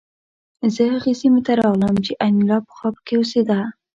زه هغې سیمې ته راغلم چې انیلا پخوا پکې اوسېده